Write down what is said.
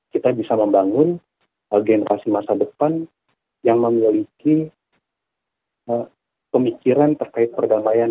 kita bisa membangun generasi masa depan yang memiliki pemikiran terkait perdamaian